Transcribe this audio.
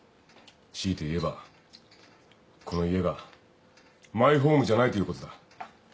強いて言えばこの家がマイホームじゃないということだ。